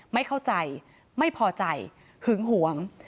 ไม่เข้าใจไม่พอใจหึงหวง